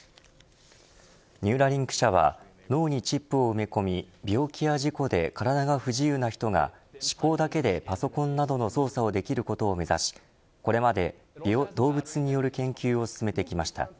ニューラリンク社は脳にチップを埋め込み病気や事故で体が不自由な人が思考だけでパソコンなどの操作をできることを目指しこれまで、動物による研究を進めてきました。